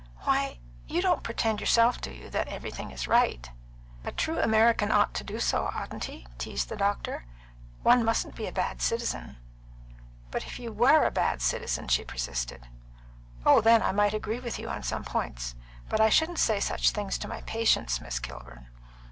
"Why, you don't pretend yourself, do you, that everything is right?" "A true American ought to do so, oughtn't he?" teased the doctor. "One mustn't be a bad citizen." "But if you were a bad citizen?" she persisted. "Oh, then I might agree with you on some points. But I shouldn't say such things to my patients, Miss Kilburn."